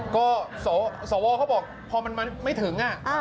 ก็สวเขาบอกพอมันไม่ถึง